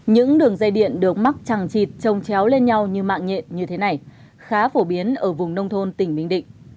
những đường dây điện được mắc chẳng chịt trông chéo lên nhau như mạng nhện như thế này khá phổ biến ở vùng nông thôn tỉnh bình định